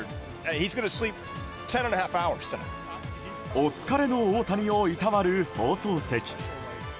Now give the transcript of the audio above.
お疲れの大谷をいたわる放送席。